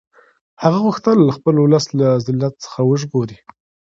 هغه غوښتل خپل اولس له ذلت څخه وژغوري.